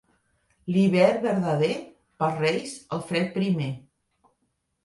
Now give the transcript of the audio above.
L'hivern verdader, pels Reis el fred primer.